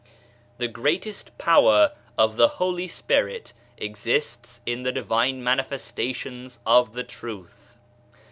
The greatest power of the Holy Spirit exists in the Divine Manifestations of the Truth.